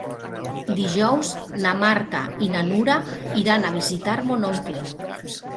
Dijous na Marta i na Nura iran a visitar mon oncle.